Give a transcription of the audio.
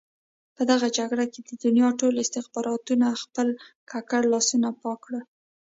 په دغه جګړه کې د دنیا ټولو استخباراتو خپل ککړ لاسونه پاک کړل.